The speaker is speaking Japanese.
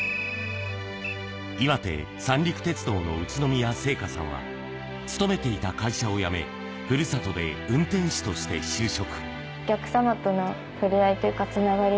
岩手三陸鉄道の宇都宮セイカさんは勤めていた会社を辞め、ふるさとで運転士として就職。